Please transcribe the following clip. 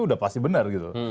udah pasti benar gitu